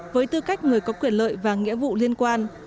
với tư cách người có quyền lợi và nghĩa vụ liên quan